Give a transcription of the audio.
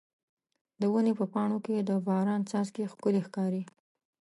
د ونې په پاڼو کې د باران څاڅکي ښکلي ښکاري.